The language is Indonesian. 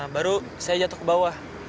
baru saya jatuh ke bawah